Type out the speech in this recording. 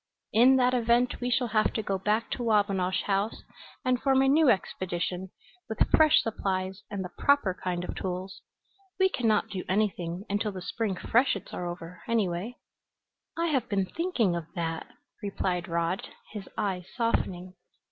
In that event we shall have to go back to Wabinosh House and form a new expedition, with fresh supplies and the proper kind of tools. We can not do anything until the spring freshets are over, anyway." "I have been thinking of that," replied Rod, his eyes softening.